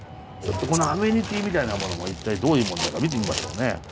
ここのアメニティーみたいなものも一体どういうものだか見てみましょうね。